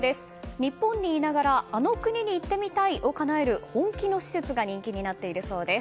日本にいながらあの国に行ってみたいをかなえる本気の施設が人気になっているそうです。